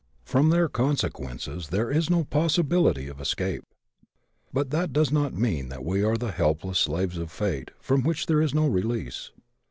From their consequences there is no possibility of escape. But that does not mean that we are the helpless slaves of fate from which there is no release.